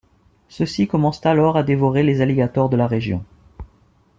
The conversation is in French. Ceux-ci commencent alors à dévorer les alligators de la région.